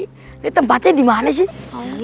ini tempatnya dimana sih